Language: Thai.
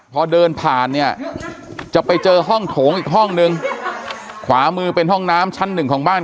พอเดินผ่านเนี่ยจะไปเจอห้องโถงอีกห้องนึงขวามือเป็นห้องน้ำชั้นหนึ่งของบ้าน